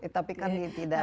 tapi kan tidak